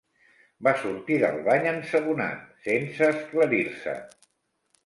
Va sortir del bany ensabonat, sense esclarir-se.